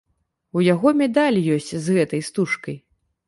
У яго медаль ёсць з гэтай стужкай.